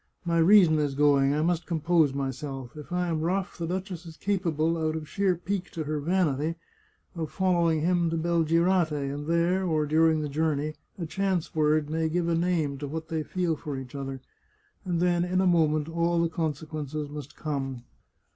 " My reason is going. I must compose myself. If I am rough the duchess is capable, out of sheer pique to her vanity, of following him to Belgirate, and there, or during the jour ney, a chance word may give a name to what they feel for each other; and then, in a moment, all the consequences must come.